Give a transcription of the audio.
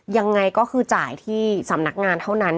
ยังไงก็คือจ่ายที่สำนักงานเท่านั้น